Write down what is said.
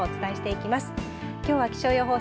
きょうは気象予報士